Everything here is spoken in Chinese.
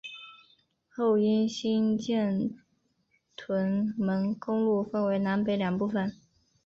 后因兴建屯门公路分为南北两部份。